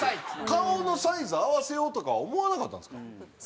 顔のサイズ合わせようとかは思わなかったんですか？